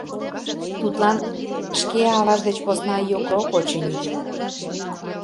Тудлан шке аваж деч посна йокрок, очыни.